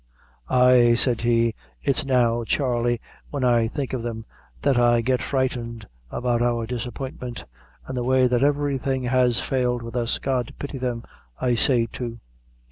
"Ay," said he, "it's now, Charley, whin I think of them, that I get frightened about our disappointment, and the way that everything has failed with us. God pity them, I say, too!"